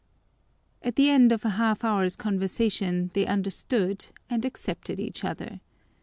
At the end of a half hour's conversation they understood and accepted each other.